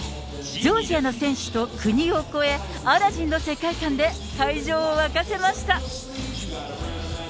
ジョージアの選手と国を超え、アラジンの世界観で会場を沸かせました。